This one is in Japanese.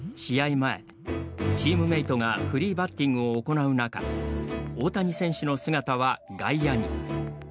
前チームメートがフリーバッティングを行う中大谷選手の姿は外野に。